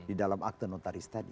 di dalam akte notaris tadi